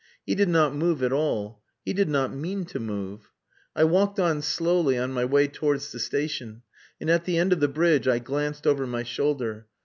He did not move at all. He did not mean to move. I walked on slowly on my way towards the station, and at the end of the bridge I glanced over my shoulder.